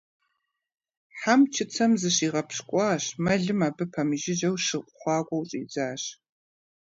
Хьэм чыцэм зыхигъэпщкӀуащ, мэлым абы пэмыжыжьэу щыхъуакӀуэу щӀидзащ.